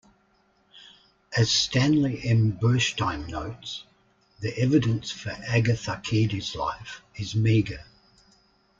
As Stanley M. Burstein notes, the evidence for Agatharchides' life is meagre.